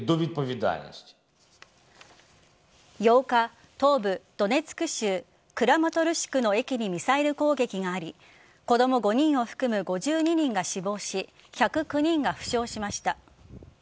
８日、東部・ドネツク州クラマトルシクの駅にミサイル攻撃があり子供５人を含む５２人が死亡し１０９人が負傷しました。